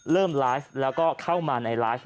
เริ่มไลฟ์แล้วก็เข้ามาในไลฟ์